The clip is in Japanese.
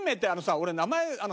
俺名前。